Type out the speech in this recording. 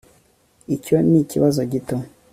icyo nikibazo gito